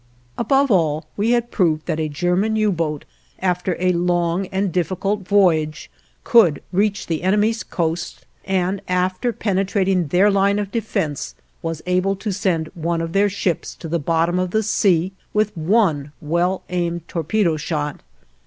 Above all, we had proved that a German U boat, after a long and difficult voyage, could reach the enemy's coast; and after penetrating their line of defense was able to send one of their ships to the bottom of the sea with one well aimed torpedo shot.